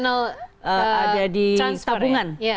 ada di tabungan